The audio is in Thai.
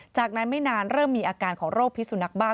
จากนั้นไม่นานเริ่มมีอาการของโรคพิสุนักบ้า